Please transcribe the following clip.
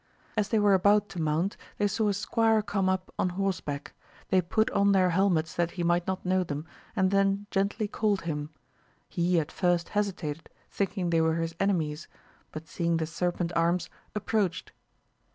As they were about to mount they saw a squire come up on horseback ; they put on their helmets that he might not know them, and then gently called him ; he at flrst hesitated thinking they were his enemies, but seeing the serpent arms approached.